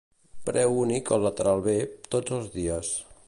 Preu únic al lateral B tots els dies